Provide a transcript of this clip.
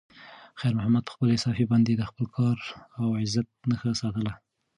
خیر محمد په خپلې صافې باندې د خپل کار او عزت نښه ساتله.